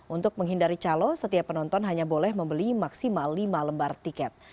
untuk menghindari calo setiap penonton hanya boleh membeli maksimal lima lembar tiket